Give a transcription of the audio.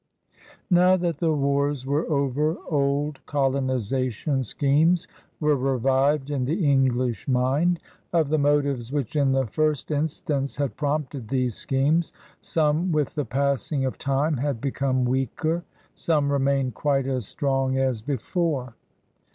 Now that the wars were over, old colonization schemes were revived in the English mind* Of the motives which in the first instance had prompted these schemes, some with the passing of time had become weaker, some remained quite as strong as before.